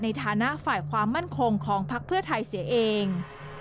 ในฐานะฝ่ายความมั่นคงของพักเพื่อไทยเสียเอง